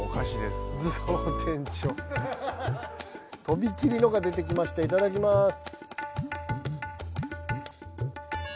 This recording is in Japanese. いただきます。